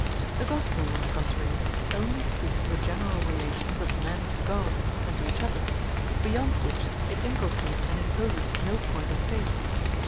The gospel, on the contrary, only speaks of the general relations of men to God and to each other beyond which it inculcates and imposes no point of faith.